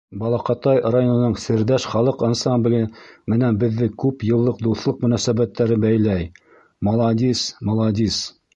Балаҡатай районының «Серҙәш» халыҡ ансамбле менән беҙҙе күп йыллыҡ дуҫлыҡ мөнәсәбәттәре бәйләй. Маладис, маладис.